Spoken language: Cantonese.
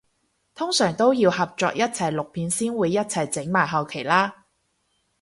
通常都要合作一齊錄片先會一齊整埋後期啦？